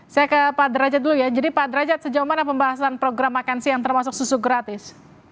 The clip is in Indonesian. saya ke pak derajat dulu ya jadi pak derajat sejauh mana pembahasan program makan siang termasuk susu gratis